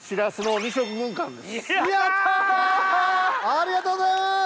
ありがとうございます！